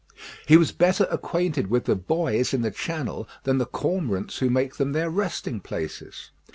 He was better acquainted with the buoys in the channels than the cormorants who make them their resting places.